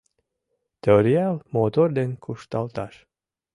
Торъял мотор ден кушталташ.